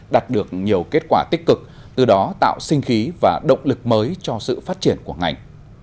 đạt được nhiều kết quả tích cực từ đó tạo sinh khí và động lực mới cho sự phát triển của ngành